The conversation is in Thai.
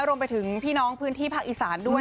รวมไปถึงพี่น้องพื้นที่ภาคอีสานด้วย